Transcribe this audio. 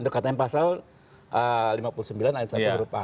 itu katanya pasal lima puluh sembilan ayat satu huruf a